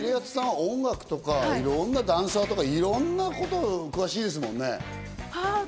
でも音楽とかいろんなダンサーとかにお詳しいですもんね。